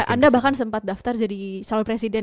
anda bahkan sempat daftar jadi calon presiden